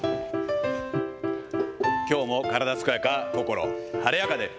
きょうも体健やか、心晴れやかで。